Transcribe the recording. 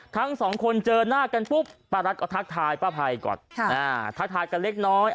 ทั้งสองคนเจอหน้ากันปุ๊บป้ารัฐก็ทักทายป้าภัยก่อนทักทายกันเล็กน้อย